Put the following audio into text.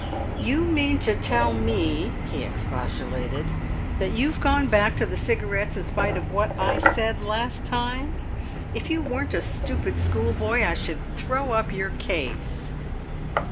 "You mean to tell me," he expostulated, "that you've gone back to the cigarettes in spite of what I said last time? If you weren't a stupid schoolboy I should throw up your case!"